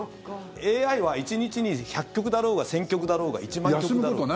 ＡＩは１日に１００局だろうが１０００局だろうが１万局だろうが。